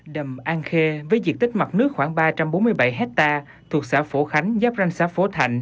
đầm an khê với diện tích mặt nước khoảng ba trăm bốn mươi bảy hectare thuộc xã phổ khánh giáp ranh xã phổ thạnh